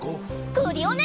クリオネ！